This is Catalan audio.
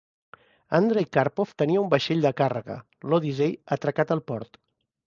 Andrei Karpov tenia un vaixell de càrrega, l' Odyssey, atracat al port.